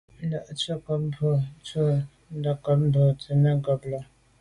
(swatəncob à bwôgmbwə̀ mbwɔ̂ α̂ nǔm bα̌ to’tə ncob boὰ tsə̀ bò nâ’ ndɛ̂n ncob lα.